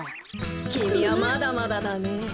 きみはまだまだだねえ。えっ？